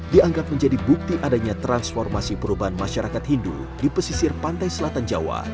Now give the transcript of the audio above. dianggap menjadi bukti adanya transformasi perubahan masyarakat hindu di pesisir pantai selatan jawa